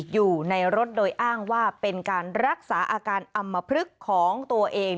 อยู่ในรถโดยอ้างว่าเป็นการรักษาอาการอำมพลึกของตัวเอง